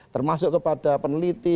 termasuk kepada peneliti